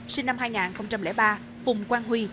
sinh năm hai nghìn ba phùng quang huy